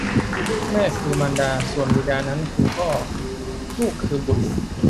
แม่ก็คือมารดา ส่วนบิดานั้นคือพ่อ ลูกคือบุตร